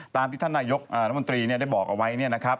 ตามที่ท่านนายกน้องมนตรีได้บอกเอาไว้